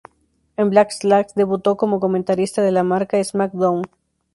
En Backlash debutó como comentarista de la marca SmackDown!